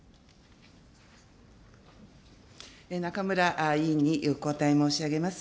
中村委員にお答え申し上げます。